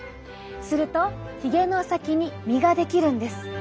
するとヒゲの先に実が出来るんです。